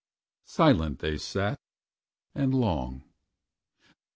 Silent they say, and long.